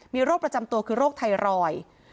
มีโรคประจำตัวคือโรคไทรอยด์